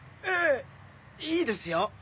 ええいいですよ。